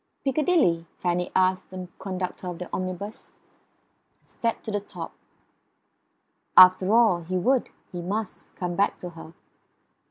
"Piccadilly?" Fanny asked the conductor of the omnibus, and climbed to the top. After all, he would, he must, come back to her.